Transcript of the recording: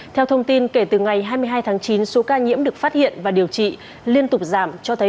theo thông tin kể từ ngày hai mươi hai tháng chín số ca nhiễm được phát hiện và điều trị liên tục giảm cho thấy